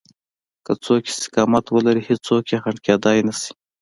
که څوک استقامت ولري هېڅوک يې خنډ کېدای نشي.